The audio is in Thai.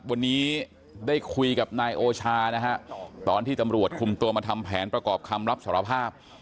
วันนี้ได้คุยกับนายโอชานะฮะตอนที่ตำรวจคุมตัวมาทำแผนประกอบคำรับสารภาพ